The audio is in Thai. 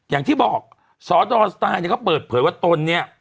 อย่างที่บอกสดอลไตล์ค่ะเพิ่นเผยว่าตนนี้